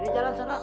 dia jalan sana